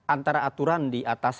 antara aturan di atas